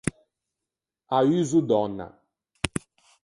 À uso dònna.